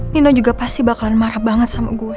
nino juga pasti bakalan marah banget sama gue